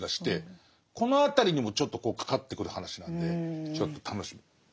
この辺りにもちょっとかかってくる話なんでちょっと楽しみ。